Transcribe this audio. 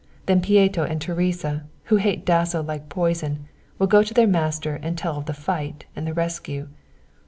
Then Pieto and Teresa, who hate Dasso like poison, will go to their master and tell of the fight and the rescue.